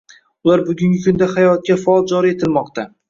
Ular bugungi kunda hayotga faol joriy etilmoqda.